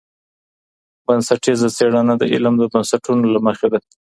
بنسټیزه څېړنه د علم د بنسټونو له مخې ده.